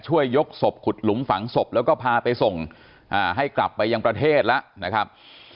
ยกศพขุดหลุมฝังศพแล้วก็พาไปส่งให้กลับไปยังประเทศแล้วนะครับ